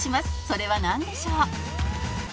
「それはなんでしょう？」